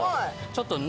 ちょっと。